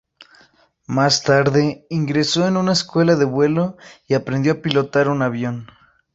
Más tarde, ingresó en una escuela de vuelo y aprendió a pilotar un avión.